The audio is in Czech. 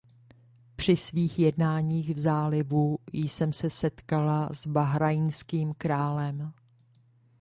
Při svých jednáních v Zálivu jsem se setkala bahrajnským králem.